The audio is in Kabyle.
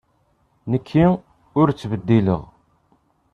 Nekk ur ttbeddileɣ.